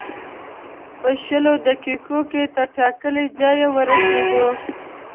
په شلو دقیقو کې تر ټاکلي ځایه ورسېدو.